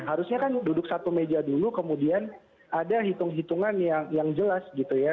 harusnya kan duduk satu meja dulu kemudian ada hitung hitungan yang jelas gitu ya